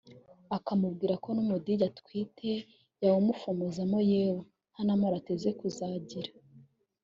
akamubwira ko n’umudigi atwite yawufomozamo yewe nta n’amahoro ateze kuzagira